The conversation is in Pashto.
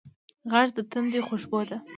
غږ د تندي خوشبو ده